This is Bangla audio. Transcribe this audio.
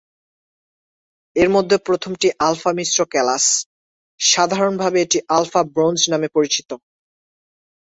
এর মধ্যে প্রথমটি আলফা মিশ্র কেলাস; সাধারণভাবে এটি আলফা ব্রোঞ্জ নামে পরিচিত।